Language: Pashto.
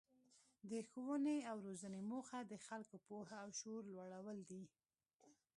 د ښوونې او روزنې موخه د خلکو پوهه او شعور لوړول دي.